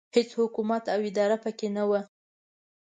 هېڅ حکومت او اداره پکې نه وه.